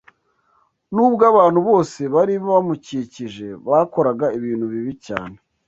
N’ubwo abantu bose bari bamukikije bakoraga ibintu bibi cyane